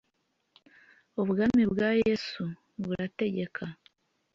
Ubwami bwa Yesu burategeka